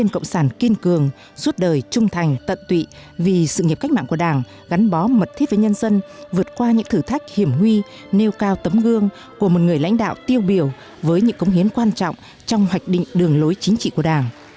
cộng sản kiên cường suốt đời trung thành tận tụy vì sự nghiệp cách mạng của đảng gắn bó mật thiết với nhân dân vượt qua những thử thách hiểm nguy nêu cao tấm gương của một người lãnh đạo tiêu biểu với những cống hiến quan trọng trong hoạch định đường lối chính trị của đảng